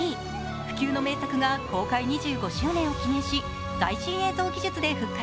不朽の名作が公開２５周年を記念し、最新映像技術で復活。